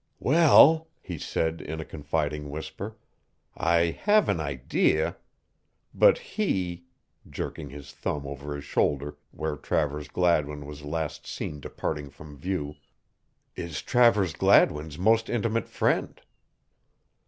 "Well," he said, in a confiding whisper, "I have an idea; but he" jerking his thumb over his shoulder where Travers Gladwin was last seen departing from view "is Travers Gladwin's most intimate friend."